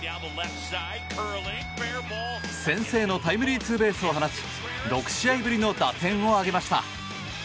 先制のタイムリーツーベースを放ち６試合ぶりの打点を挙げました。